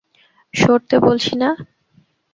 সরতে বলছি না!